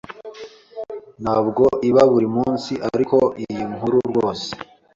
ntabwo iba buri munsi ariko iyi nkuru rwose